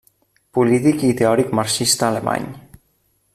Polític i teòric marxista alemany.